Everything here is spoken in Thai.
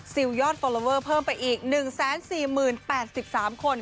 สิวยอดเพิ่มไปอีกหนึ่งแสนสี่หมื่นแปดสิบสามคน